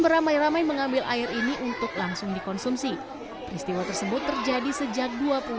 beramai ramai mengambil air ini untuk langsung dikonsumsi peristiwa tersebut terjadi sejak